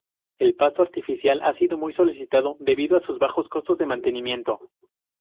El pasto artificial ha sido muy solicitado debido a sus bajos costos de mantenimiento.